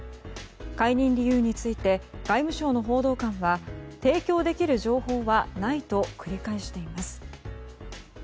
解任理由について外務省の報道官は提供できる情報はないと繰り返しています。